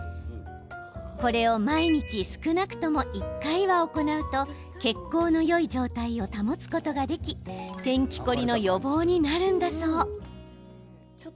これを毎日少なくとも１回は行うと血行のよい状態を保つことができ天気凝りの予防になるんだそう。